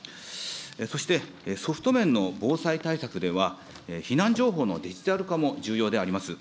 そしてソフト面の防災対策では、避難情報のデジタル化も重要であります。